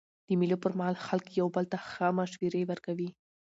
د مېلو پر مهال خلک یو بل ته ښه مشورې ورکوي.